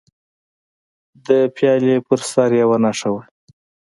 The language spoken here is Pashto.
د پیالې پر سر یوه نښه وه.